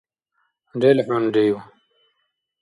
РелхӀунрив!